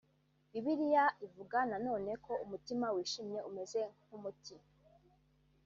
Bibiliya ivuga na none ko umutima wishimye umeze nk’umuti